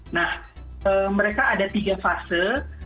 nah mereka ada tiga fase